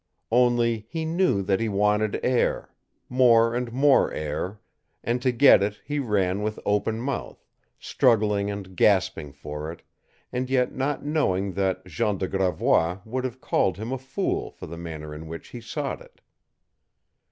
Only he knew that he wanted air more and more air; and to get it he ran with open mouth, struggling and gasping for it, and yet not knowing that Jean de Gravois would have called him a fool for the manner in which he sought it.